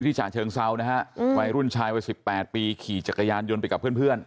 ฉะเชิงเซานะฮะวัยรุ่นชายวัย๑๘ปีขี่จักรยานยนต์ไปกับเพื่อน